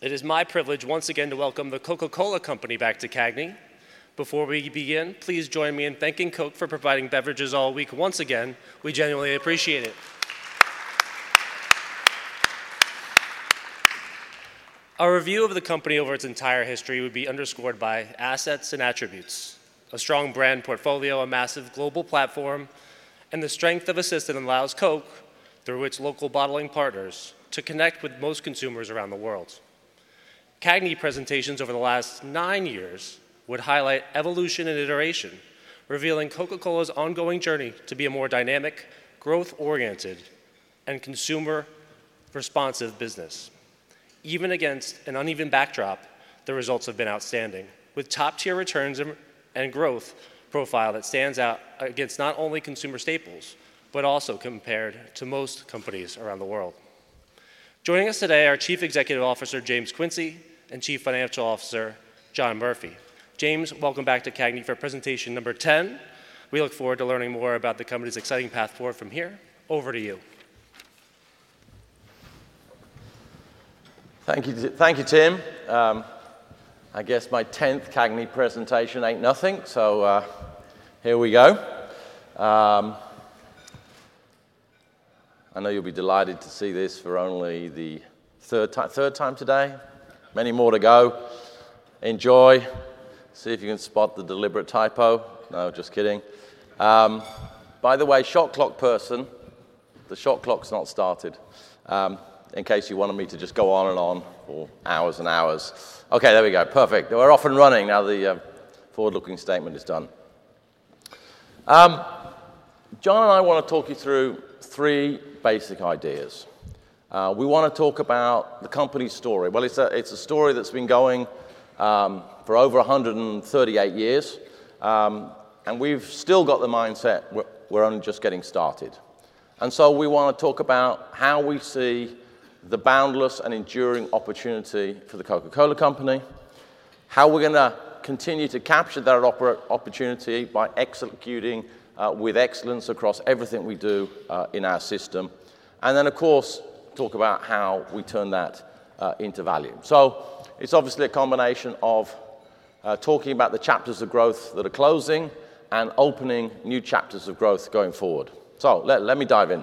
It is my privilege once again to welcome the Coca-Cola Company back to CAGNY. Before we begin, please join me in thanking Coke for providing beverages all week once again. We genuinely appreciate it. A review of the company over its entire history would be underscored by assets and attributes: a strong brand portfolio, a massive global platform, and the strength of assistance that allows Coke, through its local bottling partners, to connect with most consumers around the world. CAGNY presentations over the last nine years would highlight evolution and iteration, revealing Coca-Cola's ongoing journey to be a more dynamic, growth-oriented, and consumer-responsive business. Even against an uneven backdrop, the results have been outstanding, with top-tier returns and a growth profile that stands out against not only consumer staples, but also compared to most companies around the world. Joining us today are Chief Executive Officer James Quincey and Chief Financial Officer John Murphy. James, welcome back to CAGNY for presentation number 10. We look forward to learning more about the company's exciting path forward from here. Over to you. Thank you, Tim. I guess my 10th CAGNY presentation ain't nothing, so here we go. I know you'll be delighted to see this for only the third time today. Many more to go. Enjoy. See if you can spot the deliberate typo. No, just kidding. By the way, shot clock person, the shot clock's not started, in case you wanted me to just go on and on for hours and hours. Okay, there we go. Perfect. We're off and running. Now the forward-looking statement is done. John and I want to talk you through three basic ideas. We want to talk about the company's story. Well, it's a story that's been going for over 138 years, and we've still got the mindset we're only just getting started. And so we want to talk about how we see the boundless and enduring opportunity for The Coca-Cola Company, how we're going to continue to capture that opportunity by executing with excellence across everything we do in our system, and then, of course, talk about how we turn that into value. So it's obviously a combination of talking about the chapters of growth that are closing and opening new chapters of growth going forward. So let me dive in.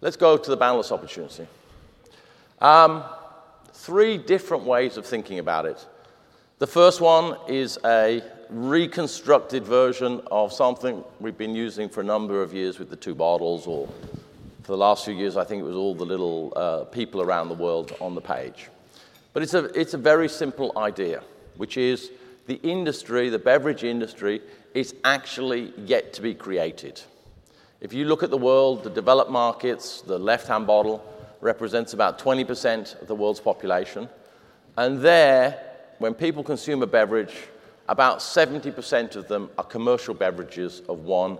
Let's go to the boundless opportunity. Three different ways of thinking about it. The first one is a reconstructed version of something we've been using for a number of years with the two bottles, or for the last few years, I think it was all the little people around the world on the page. But it's a very simple idea, which is the industry, the beverage industry, is actually yet to be created. If you look at the world, the developed markets, the left-hand bottle represents about 20% of the world's population. And there, when people consume a beverage, about 70% of them are commercial beverages of one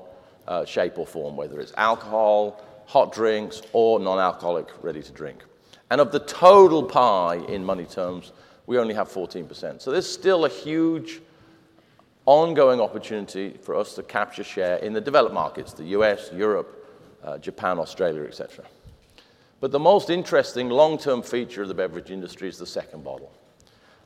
shape or form, whether it's alcohol, hot drinks, or non-alcoholic ready-to-drink. And of the total pie in money terms, we only have 14%. So there's still a huge ongoing opportunity for us to capture share in the developed markets, the U.S., Europe, Japan, Australia, etc. But the most interesting long-term feature of the beverage industry is the second bottle.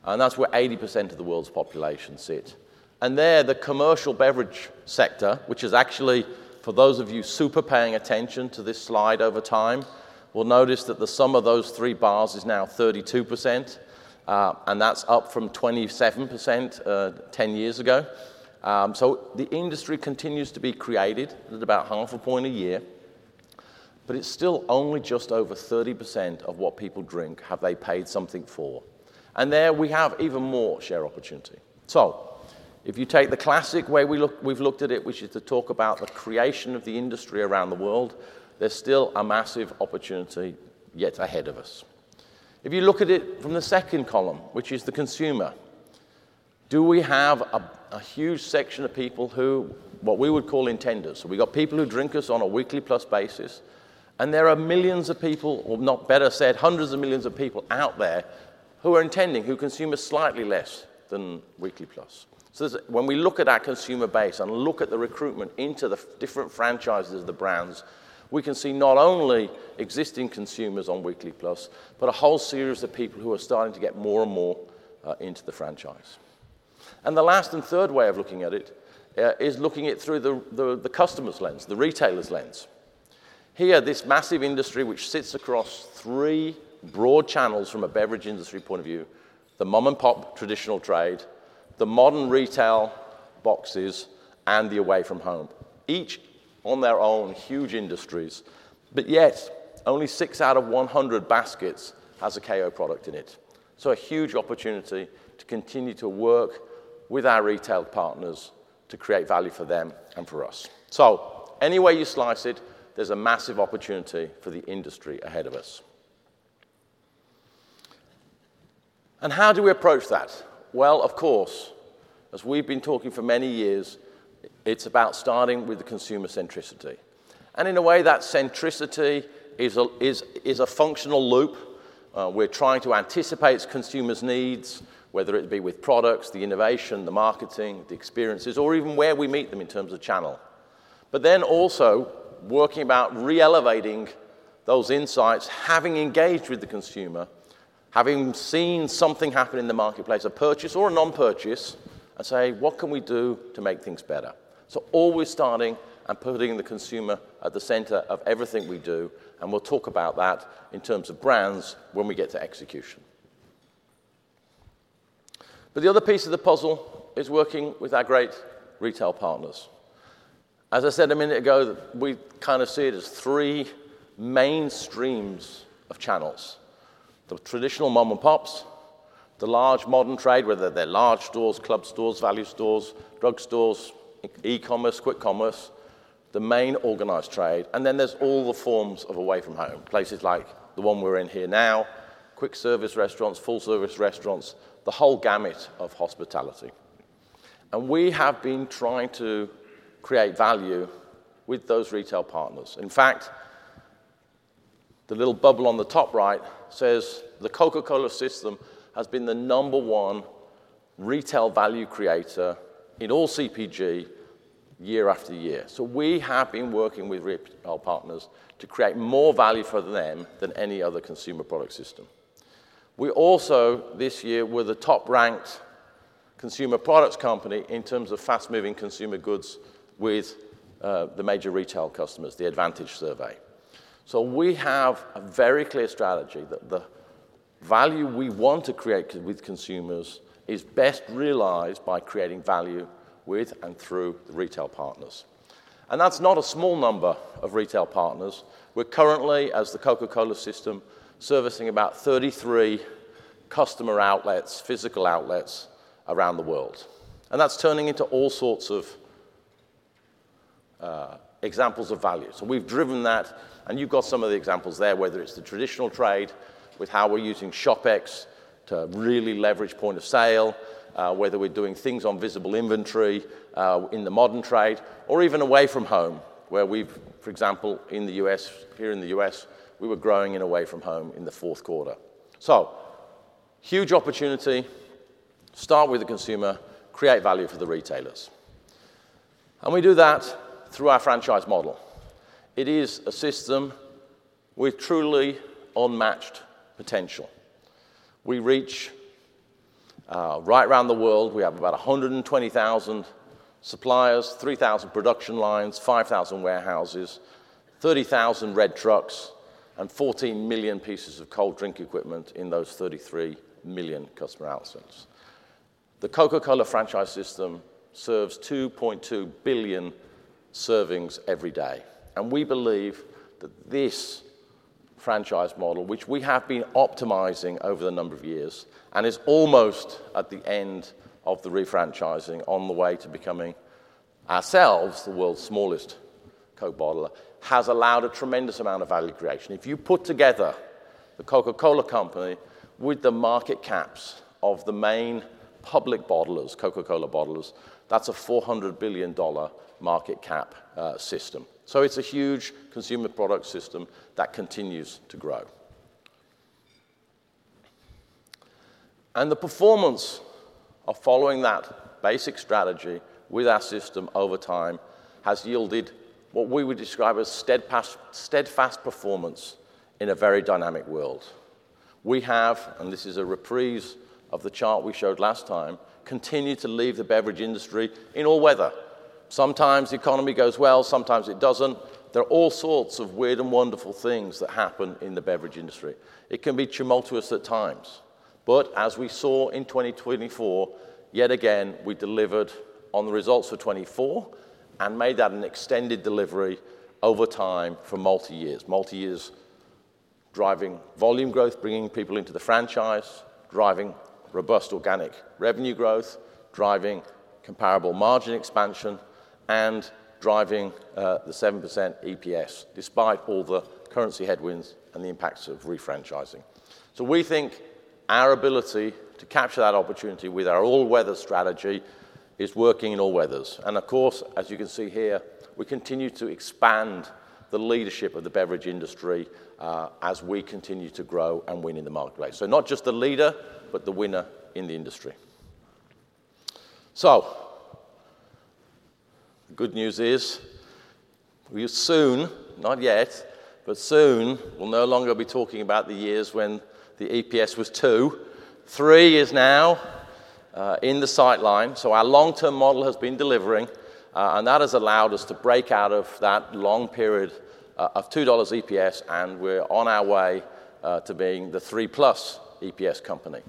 And that's where 80% of the world's population sits. And there, the commercial beverage sector, which is actually, for those of you super paying attention to this slide over time, will notice that the sum of those three bars is now 32%, and that's up from 27% 10 years ago. So the industry continues to be created at about half a point a year, but it's still only just over 30% of what people drink have they paid something for. And there we have even more share opportunity. So if you take the classic way we've looked at it, which is to talk about the creation of the industry around the world, there's still a massive opportunity yet ahead of us. If you look at it from the second column, which is the consumer, do we have a huge section of people who, what we would call intenders? So we've got people who drink us on a weekly plus basis, and there are millions of people, or better said, hundreds of millions of people out there who are intending, who consume us slightly less than weekly plus. So when we look at that consumer base and look at the recruitment into the different franchises of the brands, we can see not only existing consumers on weekly plus, but a whole series of people who are starting to get more and more into the franchise. And the last and third way of looking at it is looking at it through the customer's lens, the retailer's lens. Here, this massive industry which sits across three broad channels from a beverage industry point of view: the mom-and-pop traditional trade, the modern retail boxes, and the away from home, each on their own huge industries, but yet only six out of 100 baskets has a KO product in it. So a huge opportunity to continue to work with our retail partners to create value for them and for us. So any way you slice it, there's a massive opportunity for the industry ahead of us. And how do we approach that? Well, of course, as we've been talking for many years, it's about starting with the consumer centricity. And in a way, that centricity is a functional loop. We're trying to anticipate consumers' needs, whether it be with products, the innovation, the marketing, the experiences, or even where we meet them in terms of channel. But then also working about re-elevating those insights, having engaged with the consumer, having seen something happen in the marketplace, a purchase or a non-purchase, and say, "What can we do to make things better?" So always starting and putting the consumer at the center of everything we do, and we'll talk about that in terms of brands when we get to execution. But the other piece of the puzzle is working with our great retail partners. As I said a minute ago, we kind of see it as three main streams of channels: the traditional mom-and-pops, the large modern trade, whether they're large stores, club stores, value stores, drug stores, e-commerce, quick commerce, the main organized trade, and then there's all the forms of away from home, places like the one we're in here now, quick-service restaurants, full-service restaurants, the whole gamut of hospitality. We have been trying to create value with those retail partners. In fact, the little bubble on the top right says the Coca-Cola system has been the number one retail value creator in all CPG year after year. So we have been working with retail partners to create more value for them than any other consumer product system. We also, this year, were the top-ranked consumer products company in terms of fast-moving consumer goods with the major retail customers, the Advantage Survey. So we have a very clear strategy that the value we want to create with consumers is best realized by creating value with and through the retail partners. And that's not a small number of retail partners. We're currently, as the Coca-Cola system, servicing about 33 customer outlets, physical outlets around the world. And that's turning into all sorts of examples of value. So we've driven that, and you've got some of the examples there, whether it's the traditional trade with how we're using ShopEx to really leverage point of sale, whether we're doing things on visible inventory in the modern trade, or even away from home, where we've, for example, here in the U.S., we were growing in away from home in the fourth quarter. So huge opportunity. Start with the consumer, create value for the retailers. And we do that through our franchise model. It is a system with truly unmatched potential. We reach right around the world. We have about 120,000 suppliers, 3,000 production lines, 5,000 warehouses, 30,000 red trucks, and 14 million pieces of cold drink equipment in those 33 million customer outlets. The Coca-Cola franchise system serves 2.2 billion servings every day. We believe that this franchise model, which we have been optimizing over the number of years and is almost at the end of the refranchising, on the way to becoming ourselves the world's smallest Coke bottler, has allowed a tremendous amount of value creation. If you put together The Coca-Cola Company with the market caps of the main public bottlers, Coca-Cola bottlers, that's a $400 billion market cap system. It's a huge consumer product system that continues to grow. The performance of following that basic strategy with our system over time has yielded what we would describe as steadfast performance in a very dynamic world. We have, and this is a reprise of the chart we showed last time, continued to lead the beverage industry in all weather. Sometimes the economy goes well, sometimes it doesn't. There are all sorts of weird and wonderful things that happen in the beverage industry. It can be tumultuous at times. But as we saw in 2024, yet again, we delivered on the results for 2024 and made that an extended delivery over time for multi-years. Multi-years driving volume growth, bringing people into the franchise, driving robust organic revenue growth, driving comparable margin expansion, and driving the 7% EPS despite all the currency headwinds and the impacts of refranchising. So we think our ability to capture that opportunity with our all-weather strategy is working in all weathers. And of course, as you can see here, we continue to expand the leadership of the beverage industry as we continue to grow and win in the marketplace. So not just the leader, but the winner in the industry. The good news is we'll soon, not yet, but soon we'll no longer be talking about the years when the EPS was $2. $3 is now in the sight line. Our long-term model has been delivering, and that has allowed us to break out of that long period of $2 EPS, and we're on our way to being the 3-plus EPS company.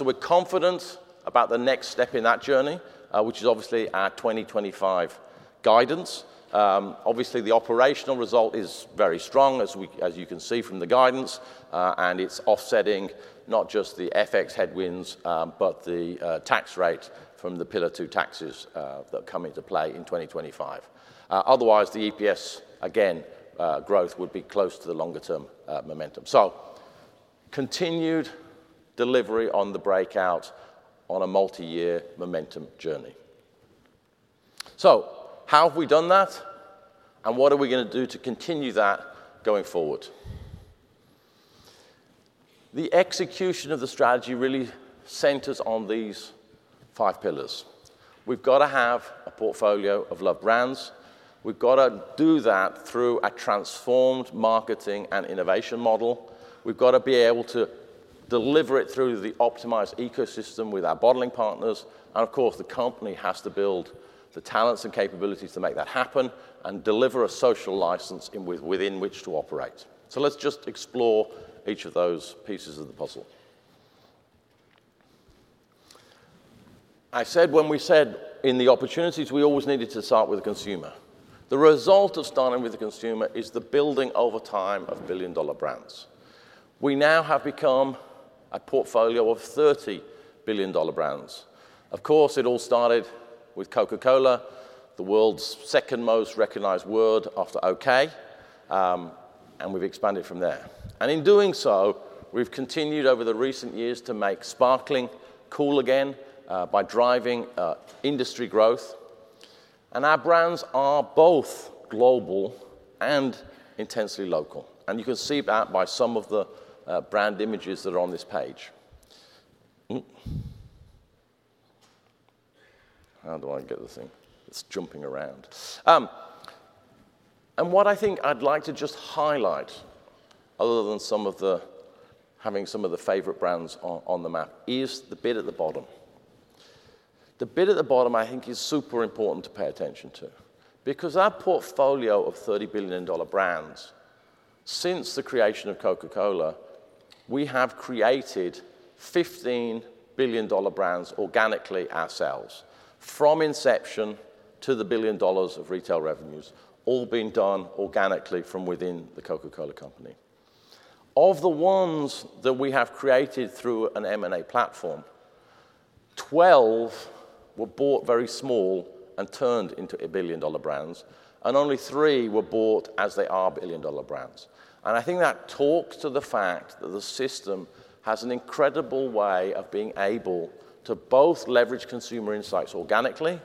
We're confident about the next step in that journey, which is obviously our 2025 guidance. The operational result is very strong, as you can see from the guidance, and it's offsetting not just the FX headwinds, but the tax rate from the Pillar 2 taxes that come into play in 2025. Otherwise, the EPS, again, growth would be close to the longer-term momentum. Continued delivery on the breakout on a multi-year momentum journey. How have we done that? And what are we going to do to continue that going forward? The execution of the strategy really centers on these five pillars. We've got to have a portfolio of loved brands. We've got to do that through a transformed marketing and innovation model. We've got to be able to deliver it through the optimized ecosystem with our bottling partners. And of course, the company has to build the talents and capabilities to make that happen and deliver a social license within which to operate. So let's just explore each of those pieces of the puzzle. I said when we said in the opportunities we always needed to start with the consumer. The result of starting with the consumer is the building over time of billion-dollar brands. We now have become a portfolio of $30 billion brands. Of course, it all started with Coca-Cola, the world's second most recognized word after okay, and we've expanded from there. And in doing so, we've continued over the recent years to make sparkling cool again by driving industry growth. And our brands are both global and intensely local. And you can see that by some of the brand images that are on this page. How do I get the thing? It's jumping around. And what I think I'd like to just highlight, other than having some of the favorite brands on the map, is the bit at the bottom. The bit at the bottom, I think, is super important to pay attention to. Because our portfolio of $30 billion brands, since the creation of Coca-Cola, we have created $15 billion brands organically ourselves, from inception to the billion dollars of retail revenues, all being done organically from within the Coca-Cola Company. Of the ones that we have created through an M&A platform, 12 were bought very small and turned into a billion-dollar brands, and only three were bought as they are billion-dollar brands. And I think that talks to the fact that the system has an incredible way of being able to both leverage consumer insights organically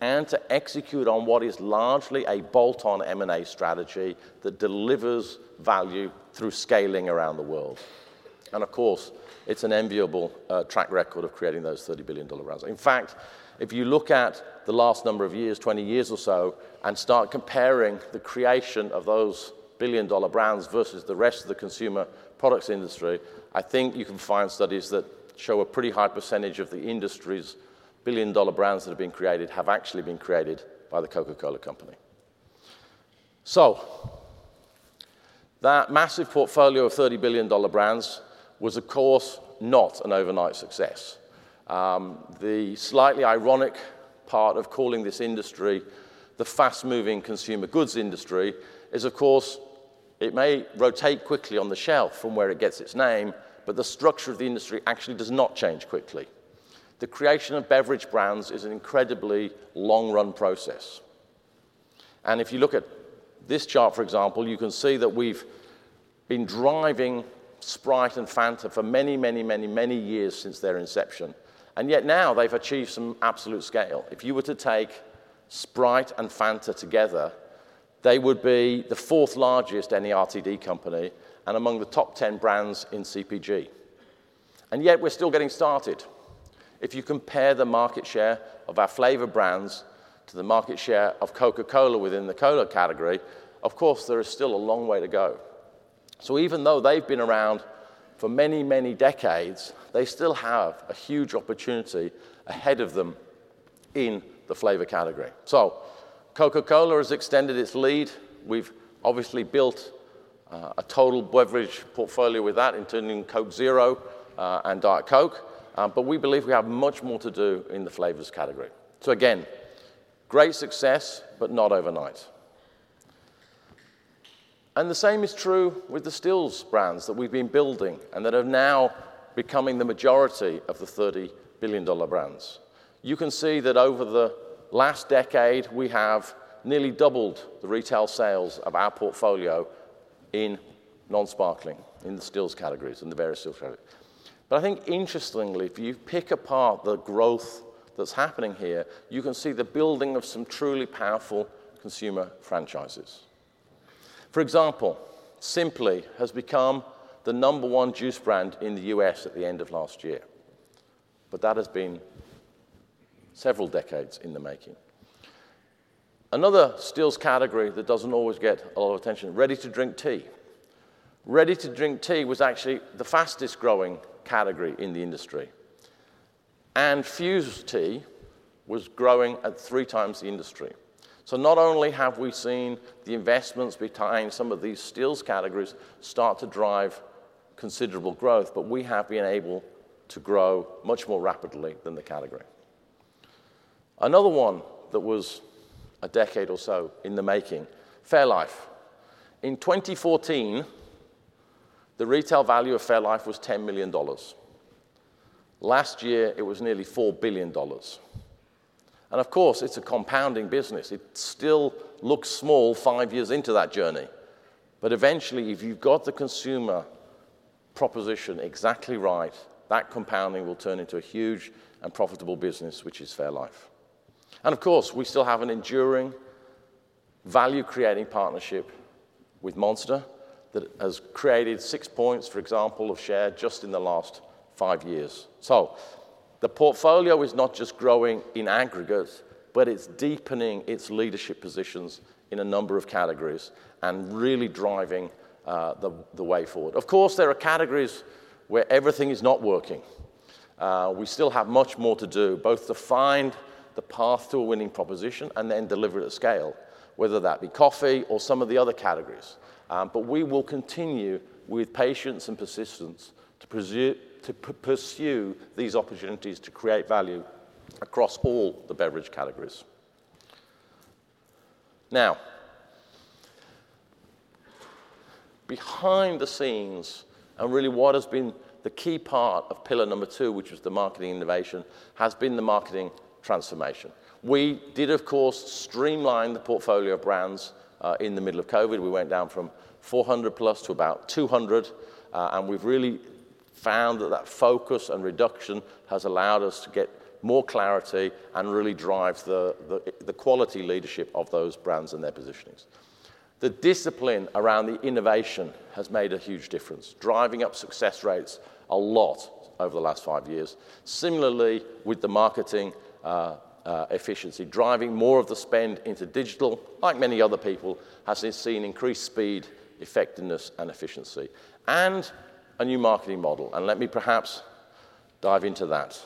and to execute on what is largely a bolt-on M&A strategy that delivers value through scaling around the world. And of course, it's an enviable track record of creating those $30 billion brands. In fact, if you look at the last number of years, 20 years or so, and start comparing the creation of those billion-dollar brands versus the rest of the consumer products industry, I think you can find studies that show a pretty high percentage of the industry's billion-dollar brands that have been created have actually been created by the Coca-Cola Company. So that massive portfolio of $30 billion brands was, of course, not an overnight success. The slightly ironic part of calling this industry the fast-moving consumer goods industry is, of course, it may rotate quickly on the shelf from where it gets its name, but the structure of the industry actually does not change quickly. The creation of beverage brands is an incredibly long-run process. If you look at this chart, for example, you can see that we've been driving Sprite and Fanta for many, many, many, many years since their inception. And yet now they've achieved some absolute scale. If you were to take Sprite and Fanta together, they would be the fourth largest RTD company and among the top 10 brands in CPG. And yet we're still getting started. If you compare the market share of our flavor brands to the market share of Coca-Cola within the cola category, of course, there is still a long way to go. So even though they've been around for many, many decades, they still have a huge opportunity ahead of them in the flavor category. So Coca-Cola has extended its lead. We've obviously built a total beverage portfolio with that, including Coke Zero and Diet Coke. But we believe we have much more to do in the flavors category. So again, great success, but not overnight. And the same is true with the stills brands that we've been building and that are now becoming the majority of the $30 billion brands. You can see that over the last decade, we have nearly doubled the retail sales of our portfolio in non-sparkling, in the stills categories, in the various stills categories. But I think, interestingly, if you pick apart the growth that's happening here, you can see the building of some truly powerful consumer franchises. For example, Simply has become the number one juice brand in the U.S. at the end of last year. But that has been several decades in the making. Another stills category that doesn't always get a lot of attention: ready-to-drink tea. Ready-to-drink tea was actually the fastest-growing category in the industry, and Fuze Tea was growing at three times the industry, so not only have we seen the investments behind some of these still categories start to drive considerable growth, but we have been able to grow much more rapidly than the category. Another one that was a decade or so in the making: Fairlife. In 2014, the retail value of Fairlife was $10 million. Last year, it was nearly $4 billion, and of course, it's a compounding business. It still looks small five years into that journey, but eventually, if you've got the consumer proposition exactly right, that compounding will turn into a huge and profitable business, which is Fairlife, and of course, we still have an enduring value-creating partnership with Monster that has created six points, for example, of share just in the last five years. So the portfolio is not just growing in aggregate, but it's deepening its leadership positions in a number of categories and really driving the way forward. Of course, there are categories where everything is not working. We still have much more to do, both to find the path to a winning proposition and then deliver it at scale, whether that be coffee or some of the other categories. But we will continue with patience and persistence to pursue these opportunities to create value across all the beverage categories. Now, behind the scenes, and really what has been the key part of pillar number two, which was the marketing innovation, has been the marketing transformation. We did, of course, streamline the portfolio of brands in the middle of COVID. We went down from 400-plus to about 200. And we've really found that that focus and reduction has allowed us to get more clarity and really drive the quality leadership of those brands and their positionings. The discipline around the innovation has made a huge difference, driving up success rates a lot over the last five years. Similarly, with the marketing efficiency, driving more of the spend into digital, like many other people, has seen increased speed, effectiveness, and efficiency, and a new marketing model. And let me perhaps dive into that.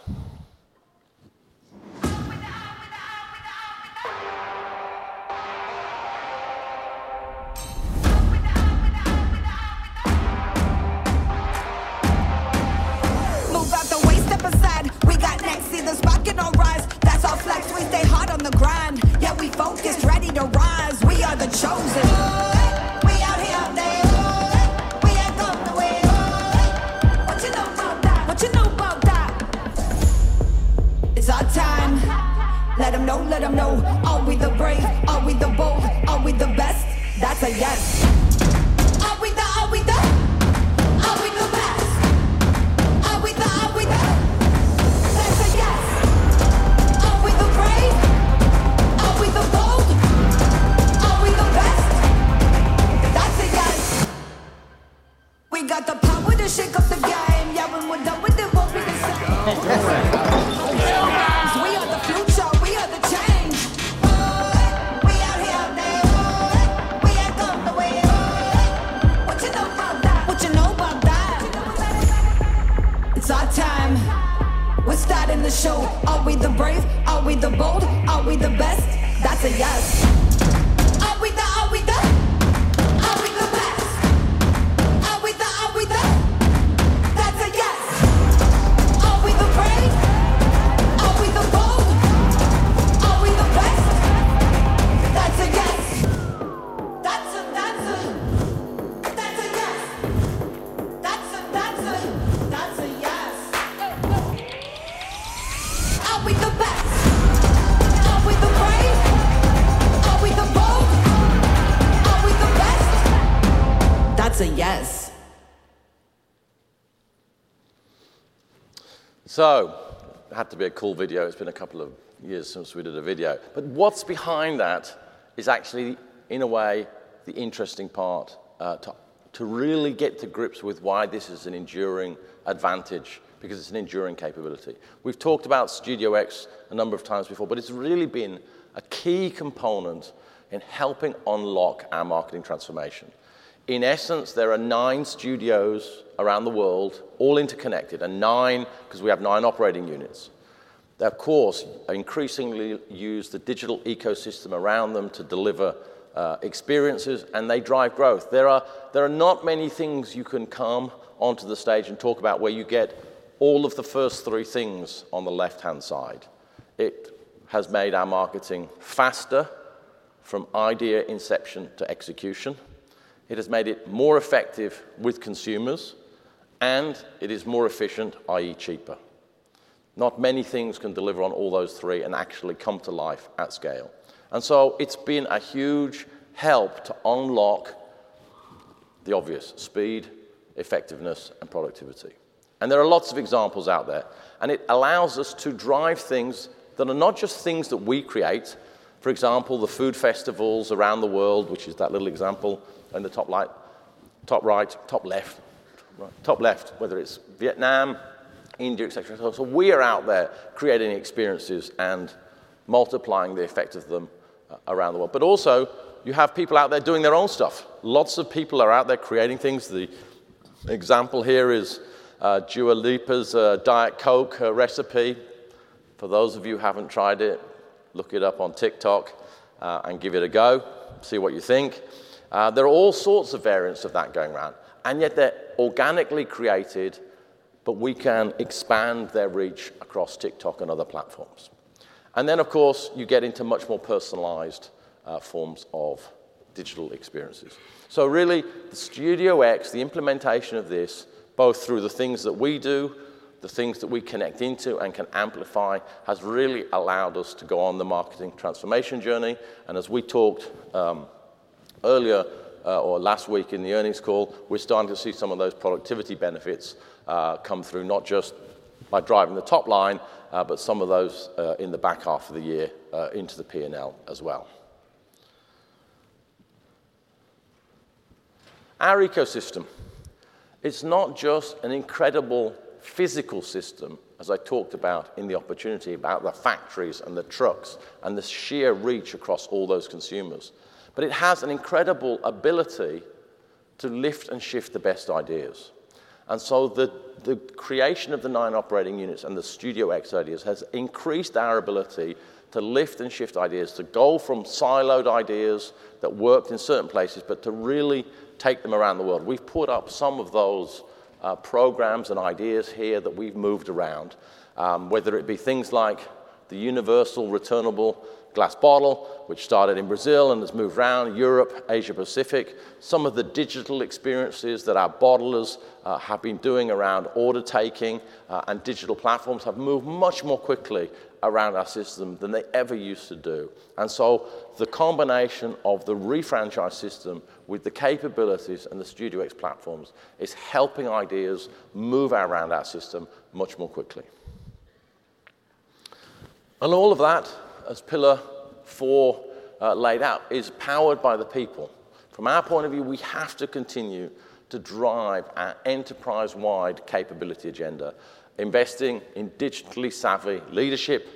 They're, of course, increasingly use the digital ecosystem around them to deliver experiences, and they drive growth. There are not many things you can come onto the stage and talk about where you get all of the first three things on the left-hand side. It has made our marketing faster from idea inception to execution. It has made it more effective with consumers, and it is more efficient, i.e., cheaper. Not many things can deliver on all those three and actually come to life at scale. And so it's been a huge help to unlock the obvious: speed, effectiveness, and productivity. And there are lots of examples out there. And it allows us to drive things that are not just things that we create. For example, the food festivals around the world, which is that little example in the top right, top left, top left, whether it's Vietnam, India, etc. So we are out there creating experiences and multiplying the effect of them around the world. Also, you have people out there doing their own stuff. Lots of people are out there creating things. The example here is Dua Lipa's Diet Coke recipe. For those of you who haven't tried it, look it up on TikTok and give it a go. See what you think. There are all sorts of variants of that going around. And yet they're organically created, but we can expand their reach across TikTok and other platforms. And then, of course, you get into much more personalized forms of digital experiences. Really, the Studio X, the implementation of this, both through the things that we do, the things that we connect into and can amplify, has really allowed us to go on the marketing transformation journey. As we talked earlier or last week in the earnings call, we're starting to see some of those productivity benefits come through, not just by driving the top line, but some of those in the back half of the year into the P&L as well. Our ecosystem, it's not just an incredible physical system, as I talked about in the opportunity about the factories and the trucks and the sheer reach across all those consumers. It has an incredible ability to lift and shift the best ideas. So the creation of the nine operating units and the Studio X ideas has increased our ability to lift and shift ideas, to go from siloed ideas that worked in certain places, but to really take them around the world. We've put up some of those programs and ideas here that we've moved around, whether it be things like the universal returnable glass bottle, which started in Brazil and has moved around Europe, Asia-Pacific. Some of the digital experiences that our bottlers have been doing around order taking and digital platforms have moved much more quickly around our system than they ever used to do. And so the combination of the refranchise system with the capabilities and the Studio X platforms is helping ideas move around our system much more quickly. And all of that, as Pillar Four laid out, is powered by the people. From our point of view, we have to continue to drive our enterprise-wide capability agenda, investing in digitally savvy leadership,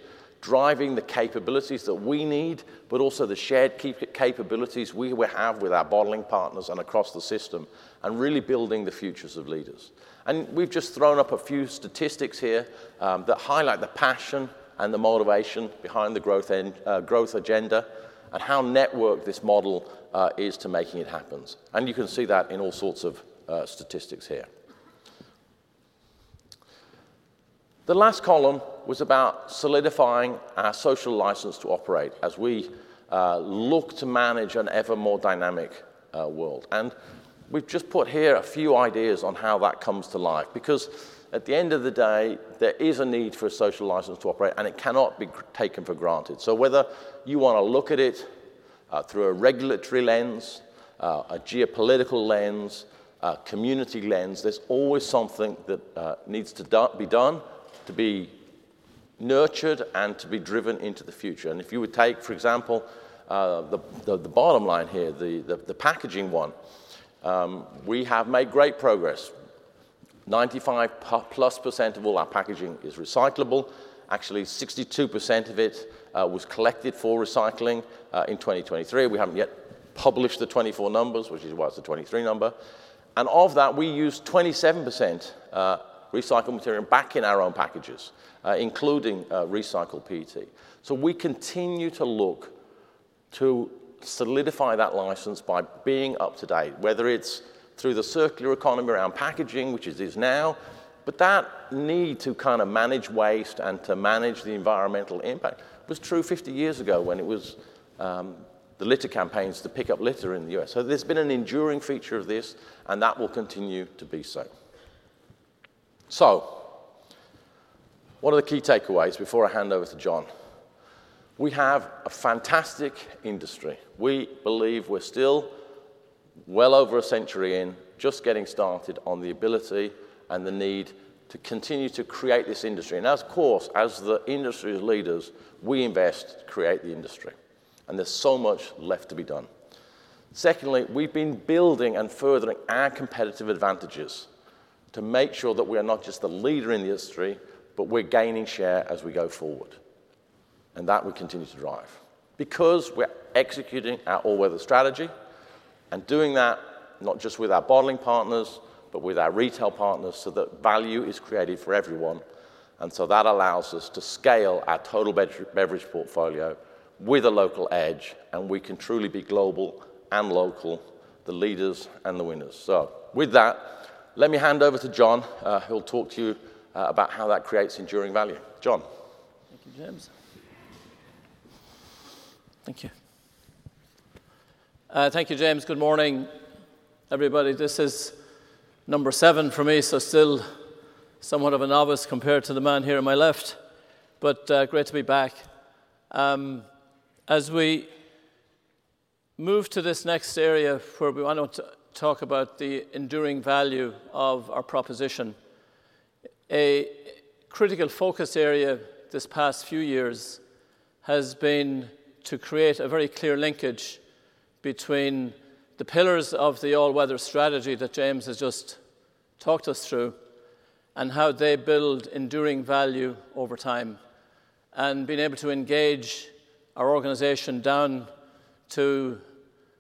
driving the capabilities that we need, but also the shared capabilities we have with our bottling partners and across the system, and really building the futures of leaders. And we've just thrown up a few statistics here that highlight the passion and the motivation behind the growth agenda and how networked this model is to making it happen. And you can see that in all sorts of statistics here. The last column was about solidifying our social license to operate as we look to manage an ever more dynamic world. And we've just put here a few ideas on how that comes to life. Because at the end of the day, there is a need for a social license to operate, and it cannot be taken for granted. Whether you want to look at it through a regulatory lens, a geopolitical lens, a community lens, there's always something that needs to be done to be nurtured and to be driven into the future. If you would take, for example, the bottom line here, the packaging one, we have made great progress. 95-plus% of all our packaging is recyclable. Actually, 62% of it was collected for recycling in 2023. We haven't yet published the 2024 numbers, which is what's the 2023 number. Of that, we use 27% recycled material back in our own packages, including recycled PET. We continue to look to solidify that license by being up to date, whether it's through the circular economy around packaging, which it is now. But that need to kind of manage waste and to manage the environmental impact was true 50 years ago when it was the litter campaigns to pick up litter in the U.S. So there's been an enduring feature of this, and that will continue to be so. So one of the key takeaways before I hand over to John, we have a fantastic industry. We believe we're still well over a century in just getting started on the ability and the need to continue to create this industry. And of course, as the industry leaders, we invest to create the industry. And there's so much left to be done. Secondly, we've been building and furthering our competitive advantages to make sure that we are not just the leader in the industry, but we're gaining share as we go forward. And that will continue to drive. Because we're executing our all-weather strategy and doing that not just with our bottling partners, but with our retail partners so that value is created for everyone. And so that allows us to scale our total beverage portfolio with a local edge, and we can truly be global and local, the leaders and the winners. So with that, let me hand over to John. He'll talk to you about how that creates enduring value. John. Thank you, James. Thank you. Thank you, James. Good morning, everybody. This is number seven for me, so still somewhat of a novice compared to the man here on my left, but great to be back. As we move to this next area where we want to talk about the enduring value of our proposition, a critical focus area this past few years has been to create a very clear linkage between the pillars of the all-weather strategy that James has just talked us through and how they build enduring value over time and being able to engage our organization down to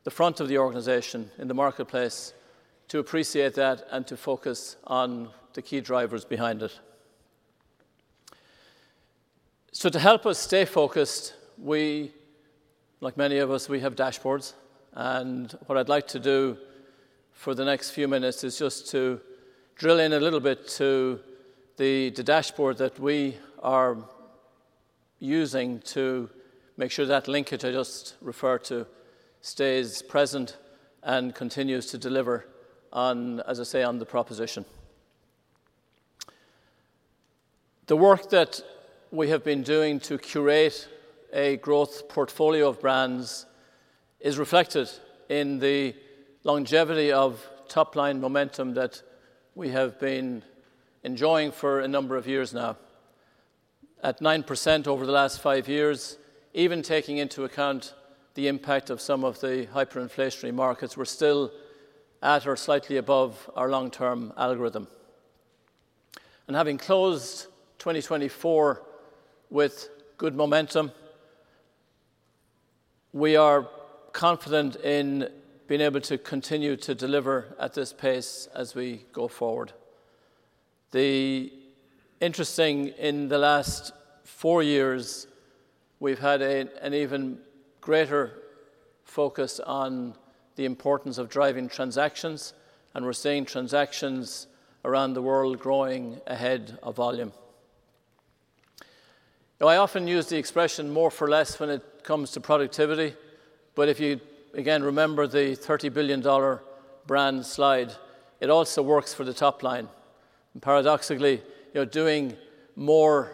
the front of the organization in the marketplace to appreciate that and to focus on the key drivers behind it. So to help us stay focused, like many of us, we have dashboards. And what I'd like to do for the next few minutes is just to drill in a little bit to the dashboard that we are using to make sure that linkage I just referred to stays present and continues to deliver, as I say, on the proposition. The work that we have been doing to curate a growth portfolio of brands is reflected in the longevity of top-line momentum that we have been enjoying for a number of years now. At 9% over the last five years, even taking into account the impact of some of the hyperinflationary markets, we're still at or slightly above our long-term algorithm, and having closed 2024 with good momentum, we are confident in being able to continue to deliver at this pace as we go forward. The interesting thing in the last four years, we've had an even greater focus on the importance of driving transactions, and we're seeing transactions around the world growing ahead of volume. I often use the expression more for less when it comes to productivity, but if you again remember the $30 billion brand slide, it also works for the top line. Paradoxically, doing more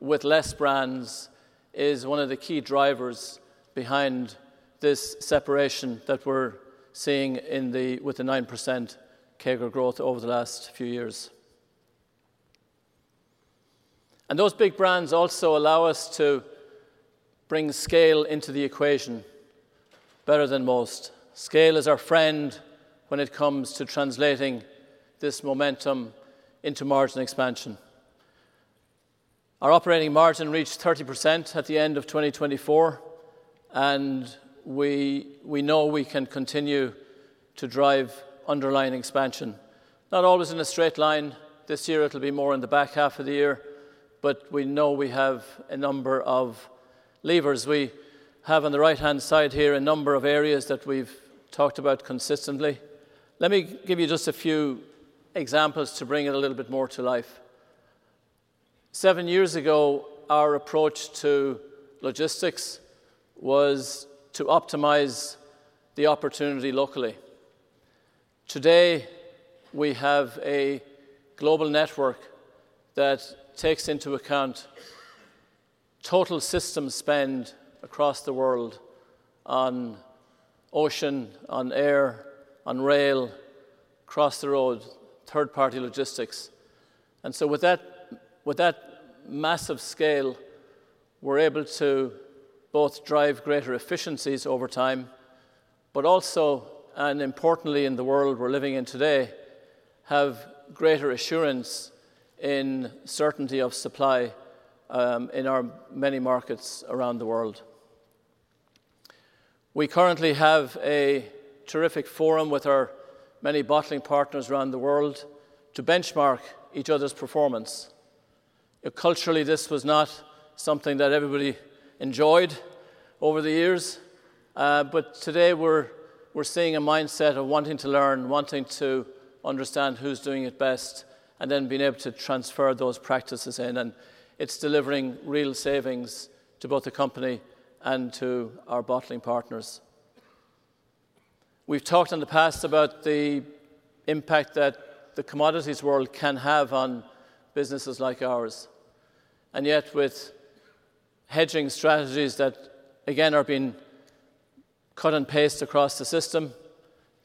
with less brands is one of the key drivers behind this separation that we're seeing with the 9% CAGR growth over the last few years. Those big brands also allow us to bring scale into the equation better than most. Scale is our friend when it comes to translating this momentum into margin expansion. Our operating margin reached 30% at the end of 2024, and we know we can continue to drive underlying expansion. Not always in a straight line this year. It'll be more in the back half of the year, but we know we have a number of levers. We have on the right-hand side here a number of areas that we've talked about consistently. Let me give you just a few examples to bring it a little bit more to life. Seven years ago, our approach to logistics was to optimize the opportunity locally. Today, we have a global network that takes into account total system spend across the world on ocean, on air, on rail, cross-the-road, third-party logistics, and so with that massive scale, we're able to both drive greater efficiencies over time, but also, and importantly, in the world we're living in today, have greater assurance in certainty of supply in our many markets around the world. We currently have a terrific forum with our many bottling partners around the world to benchmark each other's performance. Culturally, this was not something that everybody enjoyed over the years, but today we're seeing a mindset of wanting to learn, wanting to understand who's doing it best, and then being able to transfer those practices in, and it's delivering real savings to both the company and to our bottling partners. We've talked in the past about the impact that the commodities world can have on businesses like ours. And yet, with hedging strategies that, again, are being cut and paste across the system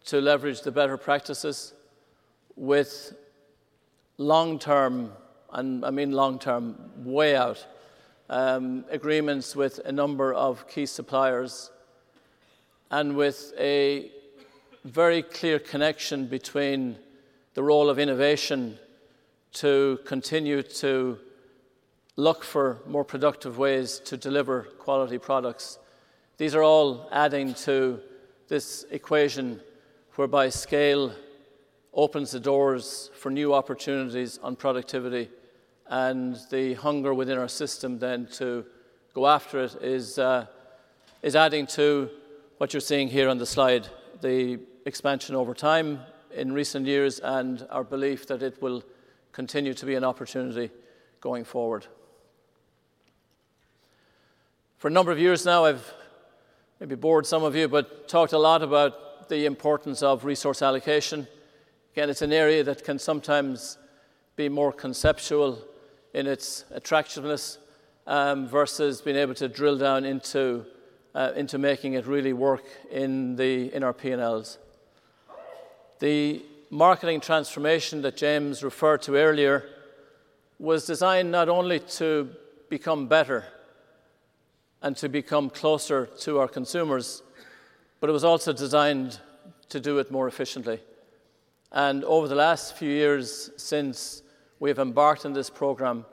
to leverage the better practices with long-term, and I mean long-term, way-out agreements with a number of key suppliers and with a very clear connection between the role of innovation to continue to look for more productive ways to deliver quality products. These are all adding to this equation whereby scale opens the doors for new opportunities on productivity. And the hunger within our system then to go after it is adding to what you're seeing here on the slide, the expansion over time in recent years and our belief that it will continue to be an opportunity going forward. For a number of years now, I've maybe bored some of you, but talked a lot about the importance of resource allocation. Again, it's an area that can sometimes be more conceptual in its attractiveness versus being able to drill down into making it really work in our P&Ls. The marketing transformation that James referred to earlier was designed not only to become better and to become closer to our consumers, but it was also designed to do it more efficiently. And over the last few years since we have embarked on this program,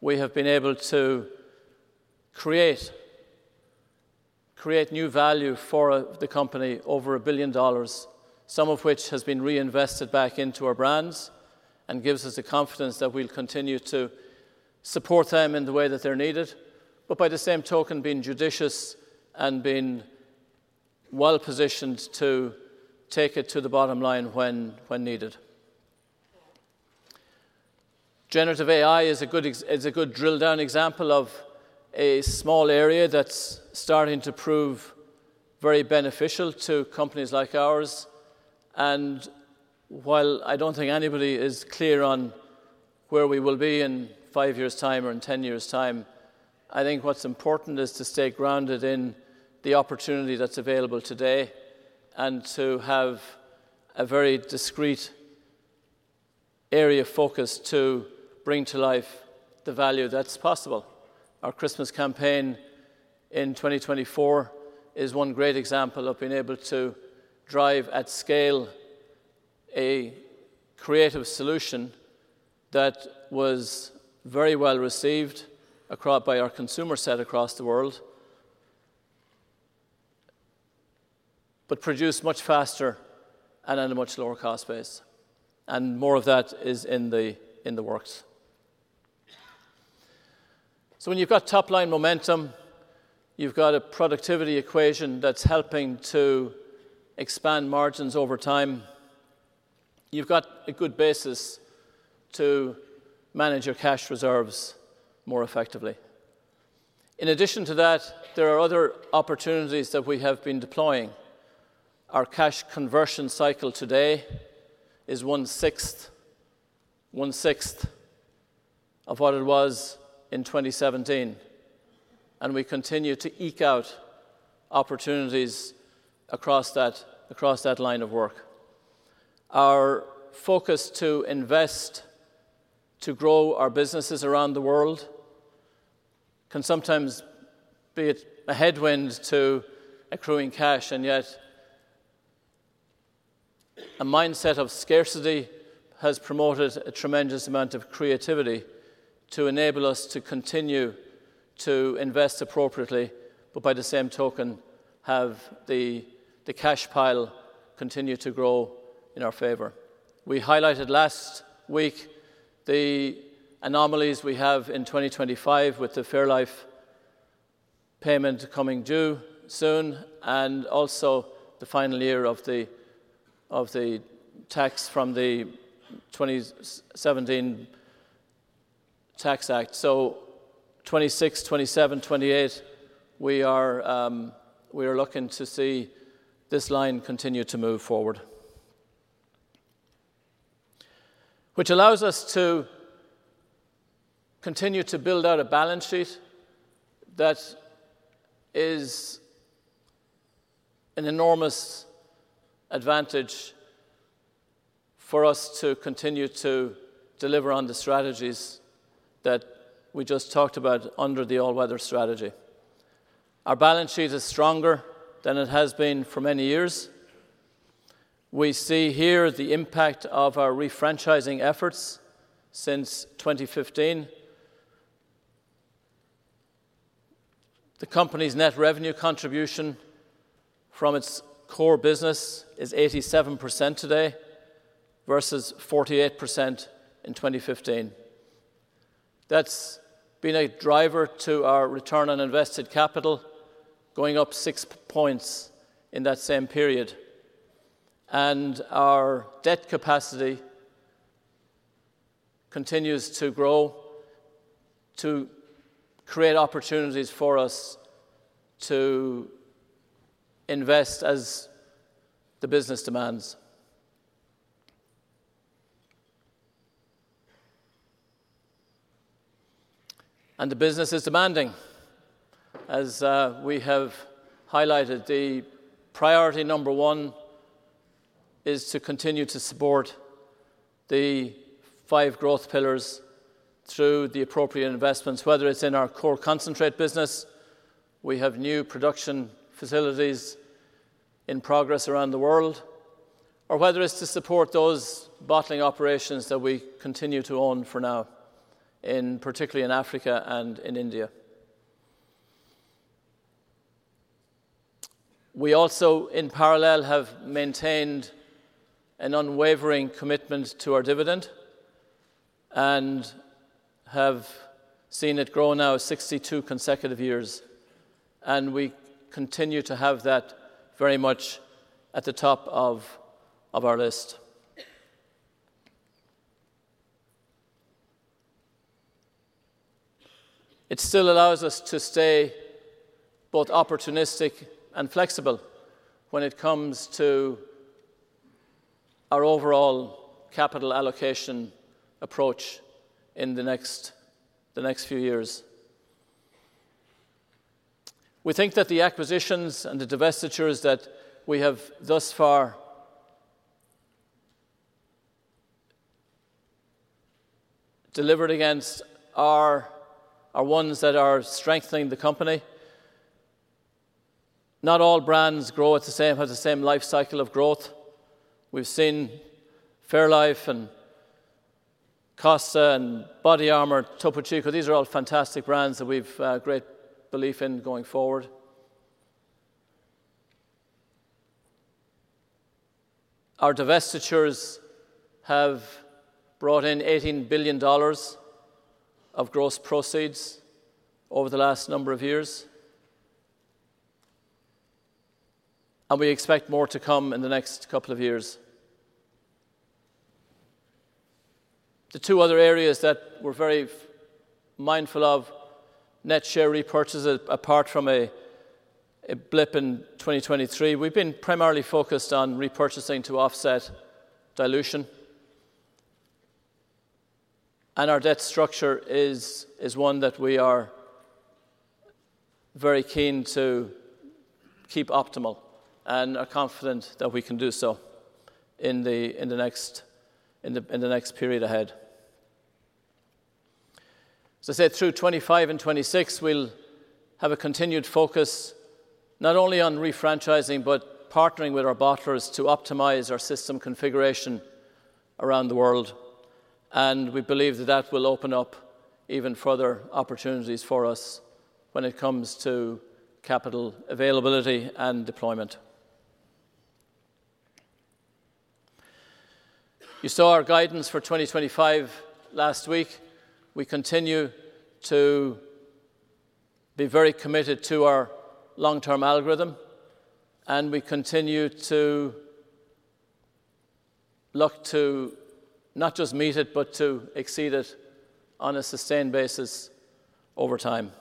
we have been able to create new value for the company over $1 billion, some of which has been reinvested back into our brands and gives us the confidence that we'll continue to support them in the way that they're needed, but by the same token, being judicious and being well-positioned to take it to the bottom line when needed. Generative AI is a good drill-down example of a small area that's starting to prove very beneficial to companies like ours. And while I don't think anybody is clear on where we will be in five years' time or in ten years' time, I think what's important is to stay grounded in the opportunity that's available today and to have a very discrete area of focus to bring to life the value that's possible. Our Christmas campaign in 2024 is one great example of being able to drive at scale a creative solution that was very well received by our consumer set across the world, but produced much faster and at a much lower cost base. And more of that is in the works. So when you've got top-line momentum, you've got a productivity equation that's helping to expand margins over time, you've got a good basis to manage your cash reserves more effectively. In addition to that, there are other opportunities that we have been deploying. Our cash conversion cycle today is one-sixth of what it was in 2017. And we continue to eke out opportunities across that line of work. Our focus to invest, to grow our businesses around the world, can sometimes be a headwind to accruing cash. And yet, a mindset of scarcity has promoted a tremendous amount of creativity to enable us to continue to invest appropriately, but by the same token, have the cash pile continue to grow in our favor. We highlighted last week the anomalies we have in 2025 with the Fairlife payment coming due soon and also the final year of the tax from the 2017 Tax Act. So 2026, 2027, 2028, we are looking to see this line continue to move forward, which allows us to continue to build out a balance sheet that is an enormous advantage for us to continue to deliver on the strategies that we just talked about under the all-weather strategy. Our balance sheet is stronger than it has been for many years. We see here the impact of our refranchising efforts since 2015. The company's net revenue contribution from its core business is 87% today versus 48% in 2015. That's been a driver to our return on invested capital going up six points in that same period. Our debt capacity continues to grow to create opportunities for us to invest as the business demands. The business is demanding. As we have highlighted, the priority number one is to continue to support the five growth pillars through the appropriate investments, whether it's in our core concentrate business, we have new production facilities in progress around the world, or whether it's to support those bottling operations that we continue to own for now, particularly in Africa and in India. We also, in parallel, have maintained an unwavering commitment to our dividend and have seen it grow now 62 consecutive years. And we continue to have that very much at the top of our list. It still allows us to stay both opportunistic and flexible when it comes to our overall capital allocation approach in the next few years. We think that the acquisitions and the divestitures that we have thus far delivered against are ones that are strengthening the company. Not all brands grow at the same time, have the same life cycle of growth. We've seen Fairlife and Costa and BODYARMOR, Topo Chico. These are all fantastic brands that we have great belief in going forward. Our divestitures have brought in $18 billion of gross proceeds over the last number of years. And we expect more to come in the next couple of years. The two other areas that we're very mindful of, net share repurchases apart from a blip in 2023, we've been primarily focused on repurchasing to offset dilution. And our debt structure is one that we are very keen to keep optimal and are confident that we can do so in the next period ahead. As I said, through 2025 and 2026, we'll have a continued focus not only on refranchising, but partnering with our bottlers to optimize our system configuration around the world. And we believe that that will open up even further opportunities for us when it comes to capital availability and deployment. You saw our guidance for 2025 last week. We continue to be very committed to our long-term algorithm, and we continue to look to not just meet it, but to exceed it on a sustained basis over time.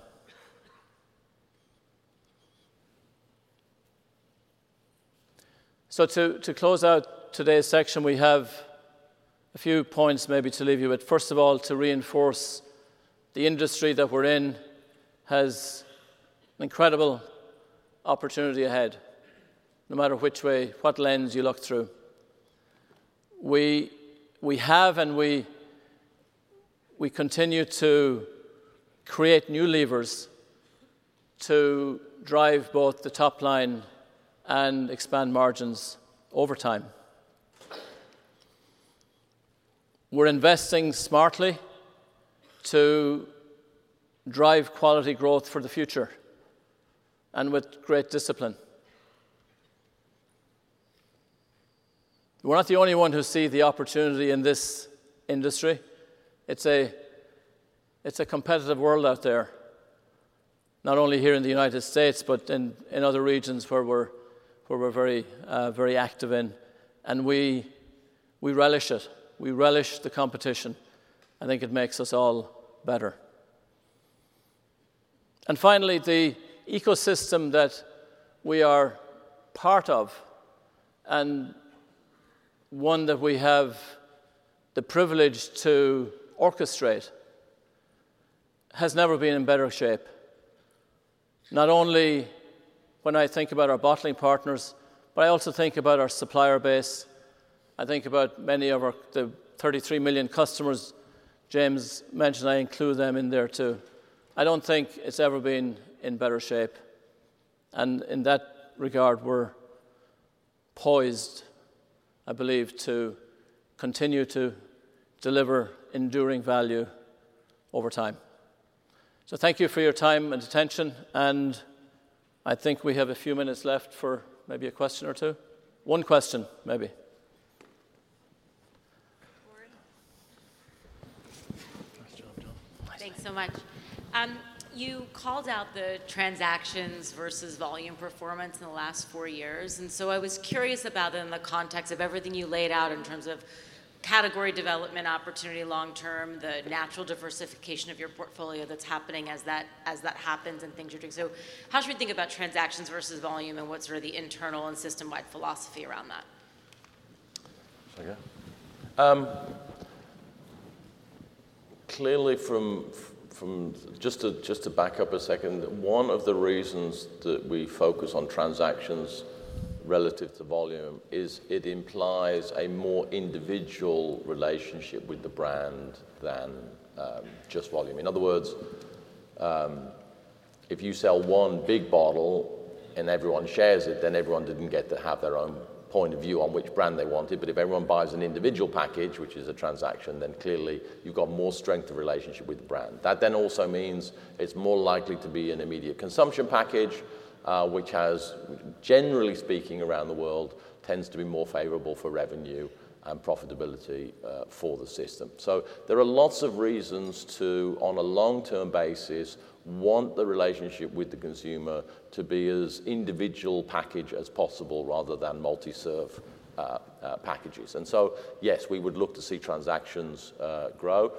So to close out today's section, we have a few points maybe to leave you with. First of all, to reinforce the industry that we're in has an incredible opportunity ahead, no matter what lens you look through. We have and we continue to create new levers to drive both the top line and expand margins over time. We're investing smartly to drive quality growth for the future and with great discipline. We're not the only ones who see the opportunity in this industry. It's a competitive world out there, not only here in the United States, but in other regions where we're very active in. And we relish it. We relish the competition. I think it makes us all better. And finally, the ecosystem that we are part of and one that we have the privilege to orchestrate has never been in better shape. Not only when I think about our bottling partners, but I also think about our supplier base. I think about many of the 33 million customers James mentioned. I include them in there too. I don't think it's ever been in better shape. And in that regard, we're poised, I believe, to continue to deliver enduring value over time. So thank you for your time and attention. And I think we have a few minutes left for maybe a question or two. One question, maybe. Thanks so much. You called out the transactions versus volume performance in the last four years. And so I was curious about it in the context of everything you laid out in terms of category development opportunity long term, the natural diversification of your portfolio that's happening as that happens and things you're doing. So how should we think about transactions versus volume and what's sort of the internal and system-wide philosophy around that? If I can. Clearly, just to back up a second, one of the reasons that we focus on transactions relative to volume is that it implies a more individual relationship with the brand than just volume. In other words, if you sell one big bottle and everyone shares it, then everyone didn't get to have their own point of view on which brand they wanted. But if everyone buys an individual package, which is a transaction, then clearly you've got more strength of relationship with the brand. That then also means it's more likely to be an immediate consumption package, which has, generally speaking, around the world, tends to be more favorable for revenue and profitability for the system. So there are lots of reasons to, on a long-term basis, want the relationship with the consumer to be as individual package as possible rather than multi-serve packages. And so, yes, we would look to see transactions grow.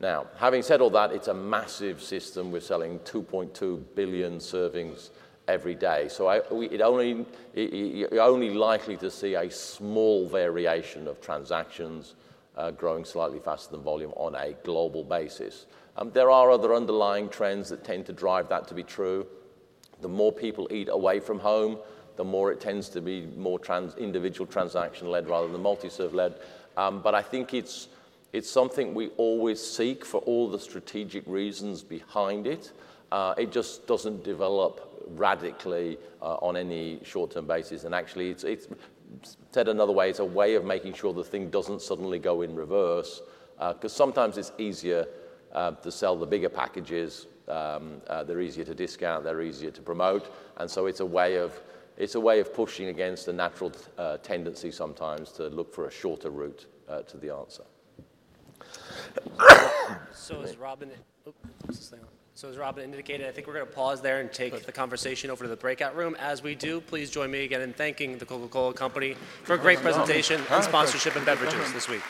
Now, having said all that, it's a massive system. We're selling 2.2 billion servings every day. So it's only likely to see a small variation of transactions growing slightly faster than volume on a global basis. There are other underlying trends that tend to drive that to be true. The more people eat away from home, the more it tends to be more individual transaction-led rather than multi-serve-led. But I think it's something we always seek for all the strategic reasons behind it. It just doesn't develop radically on any short-term basis. And actually, said another way, it's a way of making sure the thing doesn't suddenly go in reverse. Because sometimes it's easier to sell the bigger packages. They're easier to discount. They're easier to promote. It's a way of pushing against the natural tendency sometimes to look for a shorter route to the answer. So as Robin indicated, I think we're going to pause there and take the conversation over to the breakout room. As we do, please join me again in thanking the Coca-Cola Company for a great presentation on sponsorship and beverages this week.